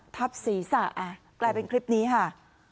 ทับสีส่ะเอคลิปนี้ค่ะ